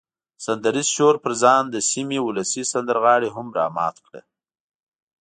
سندریز شور پر ځان د سیمې ولسي سندرغاړي هم را مات کړه.